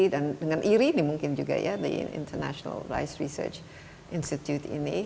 dan dengan iri ini mungkin juga ya di international rice research institute ini